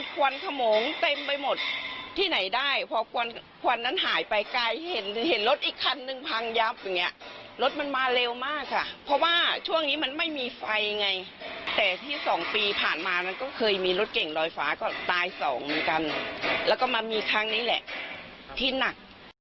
ก็ตายส่องเหมือนกันแล้วก็มันมีทางนี้แหละที่หนัก